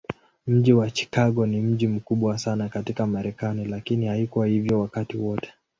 Mji wa Chicago ni mji mkubwa sana katika Marekani, lakini haikuwa hivyo wakati wote.